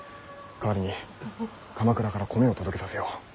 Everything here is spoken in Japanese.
代わりに鎌倉から米を届けさせよう。